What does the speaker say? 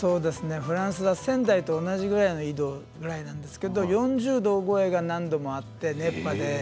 フランスは仙台と同じぐらいの緯度なんですけれども４０度超えが何度もあって熱波で。